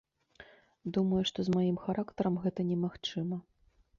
Думаю, што з маім характарам гэта немагчыма.